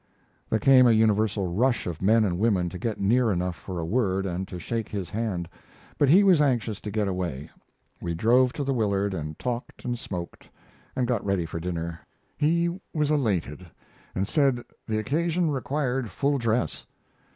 ] There came a universal rush of men and women to get near enough for a word and to shake his hand. But he was anxious to get away. We drove to the Willard and talked and smoked, and got ready for dinner. He was elated, and said the occasion required full dress.